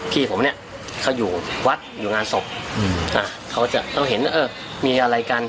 พี่ผมเนี้ยเขาอยู่วัดอยู่งานศพเขาจะต้องเห็นเออมีอะไรกัน